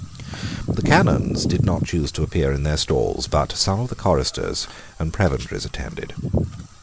The Canons did not choose to appear in their stalls; but some of the choristers and prebendaries attended.